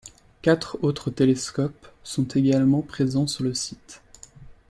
Quatre autres télescopes sont également présents sur le site.